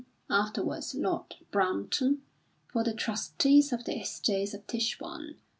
(afterwards Lord Brampton), for the trustees of the estates of Tichborne.